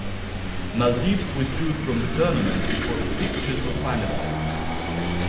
Maldives withdrew from the tournament before the fixtures were finalised.